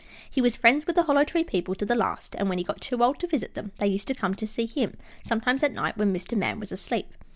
He was friends with the Hollow Tree people to the last, and when he got too old to visit them, they used to come to see him, sometimes at night, when Mr. Man was asleep.